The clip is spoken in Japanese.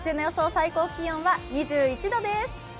最高気温は２１度です。